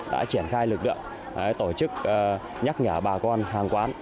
đã triển khai lực lượng tổ chức nhắc nhở bà con hàng quán